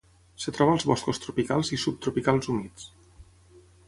Es troba als boscos tropicals i subtropicals humits.